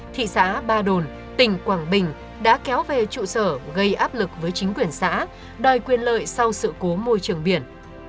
thị xã ba đồn tỉnh quảng bình đã kéo về trụ sở gây áp lực với chính quyền xã đòi quyền lợi sau sự cố môi trường biển